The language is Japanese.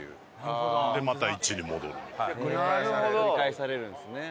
繰り返されるんですね。